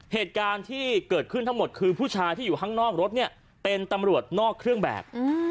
เหตุการณ์ที่เกิดขึ้นทั้งหมดคือผู้ชายที่อยู่ข้างนอกรถเนี่ยเป็นตำรวจนอกเครื่องแบบ